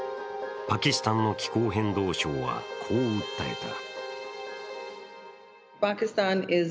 パキスタンの気候変動相はこう訴えた。